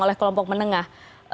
oleh kelompok menengah